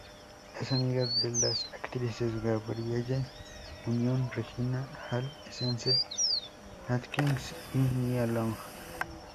Es amiga de las actrices Gabrielle Union, Regina Hall Essence Atkins y Nia Long.